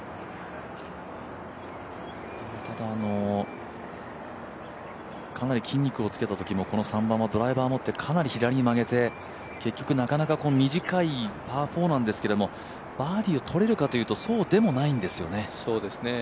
ただ、かなり筋肉をつけたときも、この３番はドライバーを持ってかなり左に負けて、結局短いパー４なんですけれども、バーディーを取れるかというとそうでもないんですよね。